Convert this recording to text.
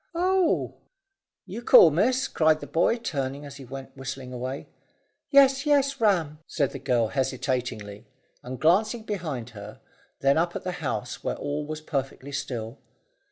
"Oh!" "You call, miss?" cried the boy, turning as he went whistling away. "Yes, yes, Ram," said the girl hesitatingly, and glancing behind her, then up at the house where all was perfectly still.